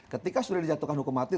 ketika sudah dijatuhkan hukum mati